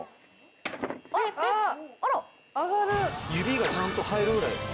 指がちゃんと入るぐらい。